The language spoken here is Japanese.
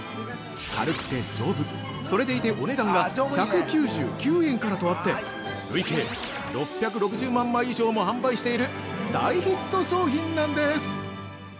軽くて丈夫、それでいてお値段が１９９円からとあって、累計６６０万枚以上も販売している大ヒット商品なんです！